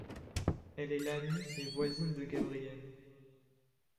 Elle est l'amie et voisine de Gabriel.